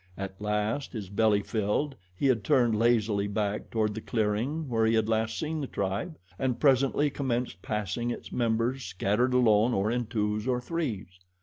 At last, his belly filled, he had turned lazily back toward the clearing where he had last seen the tribe and presently commenced passing its members scattered alone or in twos or threes.